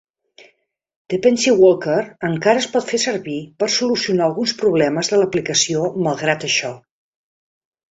Depency Walker encara es pot fer servir per solucionar alguns problemes de l'aplicació malgrat això.